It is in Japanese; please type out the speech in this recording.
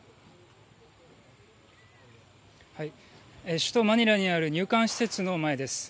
首都マニラにある入管施設の前です。